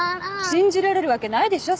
信じられるわけないでしょ